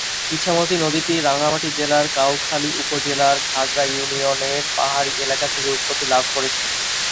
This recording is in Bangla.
ইছামতি নদীটি রাঙ্গামাটি জেলার কাউখালী উপজেলার ঘাগড়া ইউনিয়নের পাহাড়ি এলাকা হতে উৎপত্তি লাভ করেছে।